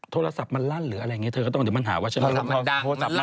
โทรศัพท์มันลั่นหรืออะไรเงี้ยเธอก็ต้องเดี๋ยวมันหาว่าฉันไม่รู้โทรศัพท์มันดัง